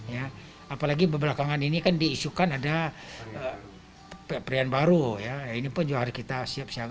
ya apalagi belakangan ini kan diisukan ada perian baru ya ini pun juga harus kita siap siap